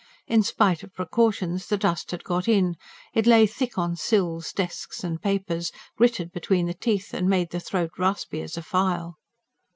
In spite of precautions the dust had got in: it lay thick on sills, desks and papers, gritted between the teeth, made the throat raspy as a file.